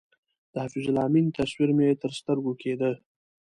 د حفیظ الله امین تصویر مې تر سترګو کېده.